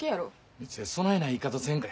みつえそないな言い方せんかて。